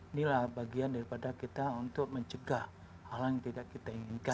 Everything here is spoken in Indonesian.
inilah bagian daripada kita untuk mencegah hal hal yang tidak kita inginkan